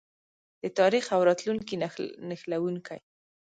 د تاریخ او راتلونکي نښلونکی.